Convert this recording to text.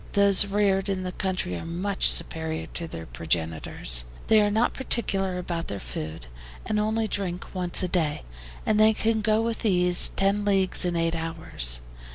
Those reared in the country are much superior to their progenitors. They are not particular about their food, and only drink once a day, and they can go with ease ten leagues in eight hours.